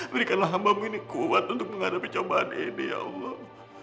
berikanlah hambamu ini kuat untuk menghadapi cobaan ini ya allah